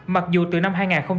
mặc dù từ năm hai nghìn một mươi một